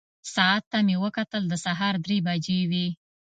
ساعت ته مې وکتل، د سهار درې بجې وې.